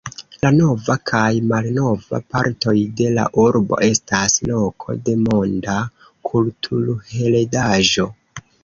La nova kaj malnova partoj de la urbo estas loko de Monda kulturheredaĵo.